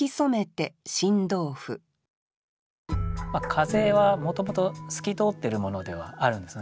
風はもともと透き通ってるものではあるんですよね。